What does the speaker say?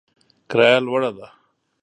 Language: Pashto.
کرایه لوړه ده